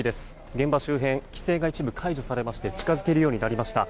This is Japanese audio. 現場周辺規制が一部解除されまして近づけるようになりました。